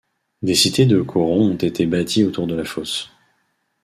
Des cités de corons ont été bâties autour de la fosse.